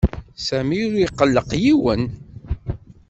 Sami ur iqelleq yiwen.